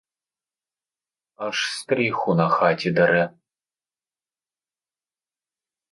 Аж стріху на хаті дере.